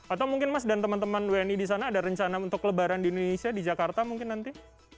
atau mungkin mas dan teman teman wni di sana ada rencana untuk lebaran di indonesia di jakarta mungkin nanti